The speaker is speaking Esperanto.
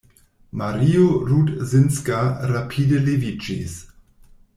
Mario Rudzinska rapide leviĝis.